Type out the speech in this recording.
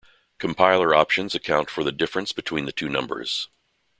Compiler options account for the difference between the two numbers.